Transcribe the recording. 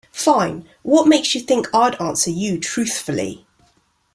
Fine, what makes you think I'd answer you truthfully?